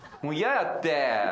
もう嫌やって。